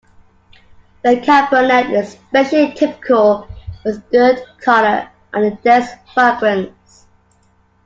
The Cabernet is especially typical, with good color and a dense fragrance.